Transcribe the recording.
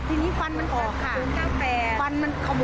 อีรถออกมาอยู่๐๙๔